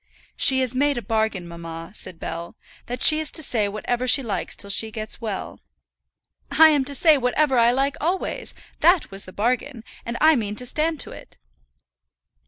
"She has made a bargain, mamma," said Bell, "that she is to say whatever she likes till she gets well." "I am to say whatever I like always; that was the bargain, and I mean to stand to it."